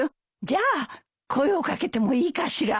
じゃあ声を掛けてもいいかしら？